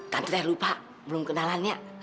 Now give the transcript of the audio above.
tante teh lupa belum kenalan ya